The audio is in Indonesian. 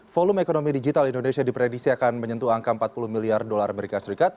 volume ekonomi digital indonesia dipredisi akan menyentuh angka empat puluh miliar dolar as